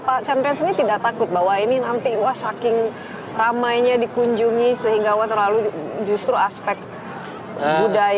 pak chandra sendiri tidak takut bahwa ini nanti wah saking ramainya dikunjungi sehingga wah terlalu justru aspek budaya